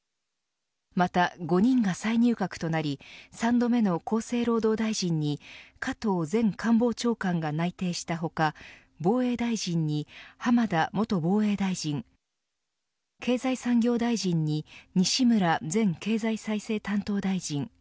また、５人が再入閣となり３度目の厚生労働大臣に加藤前官房長官が内定した他防衛大臣に浜田元防衛大臣経済産業大臣に西村前経済再生担当大臣。